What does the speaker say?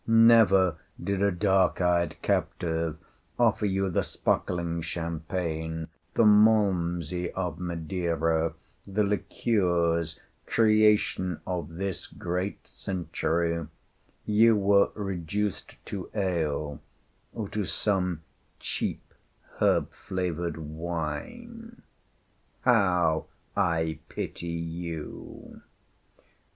never did a dark eyed captive offer you the sparkling champagne, the malmsey of Madeira, the liqueurs, creation of this great century: you were reduced to ale or to some cheap herb flavored wine. How I pity you!